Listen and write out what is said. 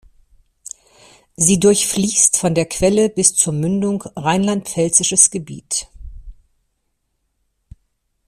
Sie durchfließt von der Quelle bis zur Mündung rheinland-pfälzisches Gebiet.